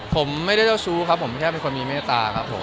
ผมไม่ได้เจ้าชู้ครับผมแค่เป็นคนมีเมตตาครับผม